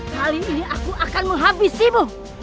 kali ini aku akan menghabisimu